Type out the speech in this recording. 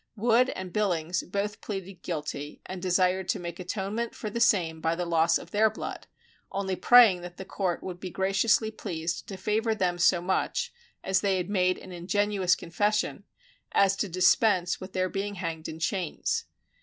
Wood and Billings both pleaded guilty, and desired to make atonement for the same by the loss of their blood, only praying the Court would be graciously pleased to favour them so much (as they had made an ingenuous confession) as to dispense with their being hanged in chains.